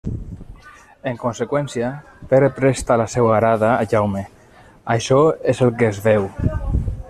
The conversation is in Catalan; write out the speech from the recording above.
En conseqüència, Pere presta la seua arada a Jaume: això és el que es veu.